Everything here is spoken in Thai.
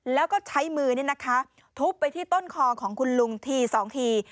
แล้วก็ใช้มือทุบไปที่ต้นคอของคุณลุงที๒ที